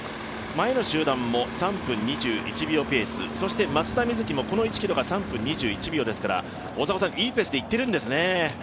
前の集団も３分２１秒ペースそして松田瑞生もこの１ｋｍが３分２１秒ですからいいペースで行っているんですね。